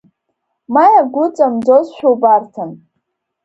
Ма иагәыҵамӡозшәа убарҭан.